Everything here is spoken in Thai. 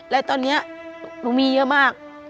และตอนนี้หนูมีเยอะมาก